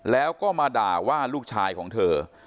แล้วก็มาด่าว่าลูกชายของเธอ